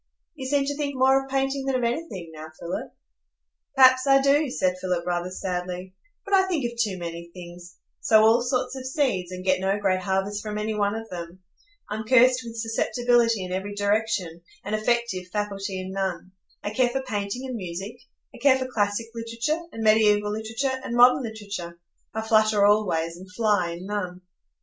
"You seem to think more of painting than of anything now, Philip?" "Perhaps I do," said Philip, rather sadly; "but I think of too many things,—sow all sorts of seeds, and get no great harvest from any one of them. I'm cursed with susceptibility in every direction, and effective faculty in none. I care for painting and music; I care for classic literature, and mediæval literature, and modern literature; I flutter all ways, and fly in none."